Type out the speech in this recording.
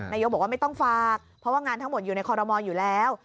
นายกบอกว่าไม่ต้องฝากเพราะว่างานทั้งหมดอยู่ในคอรมอลอยู่แล้ว